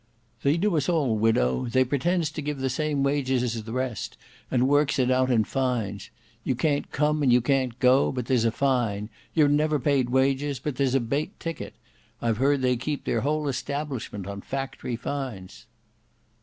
"They do us all, widow. They pretends to give the same wages as the rest, and works it out in fines. You can't come, and you can't go, but there's a fine; you're never paid wages, but there's a bate ticket. I've heard they keep their whole establishment on factory fines."